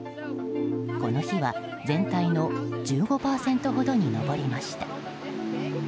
この日は全体の１５％ほどに上りました。